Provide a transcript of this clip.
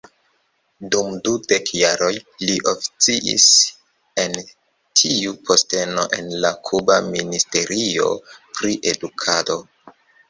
Dum dudek jaroj, li oficis en tiu posteno en la Kuba Ministerio pri Edukado.